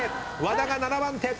和田が７番手。